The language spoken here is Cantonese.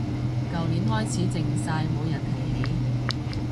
舊年開始靜晒冇人提過